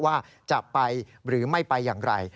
ว่าจะไปหรือไม่ไปอย่างไร